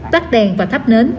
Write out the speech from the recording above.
tắt đèn và thắp nến